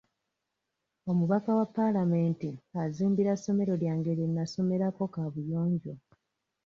Omubaka wa palamenti azimbira ssomero lyange lye nnasomerako kaabuyonjo.